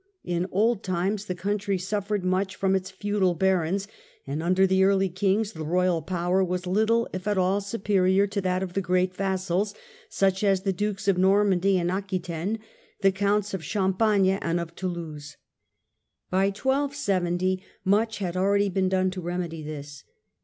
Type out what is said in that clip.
In old times the country suffered much from its feudal barons, and under the early Kings the royal power was little if at all superior to that of the great vassals, such as the Dukes of Normandy and Aquitaine, the Counts of Champagne and of Toulouse. By 1270 much had already been done to remedy this.